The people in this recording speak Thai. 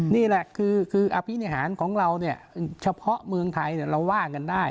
นี่แหละคืออภินิหารของเราเนี่ยเฉพาะเมืองไทยเราว่ากันได้